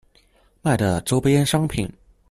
賣的週邊商品